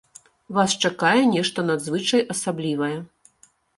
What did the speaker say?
Вас чакае нешта надзвычай асаблівае!